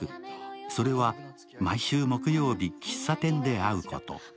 それは毎週木曜日、喫茶店で会うこと。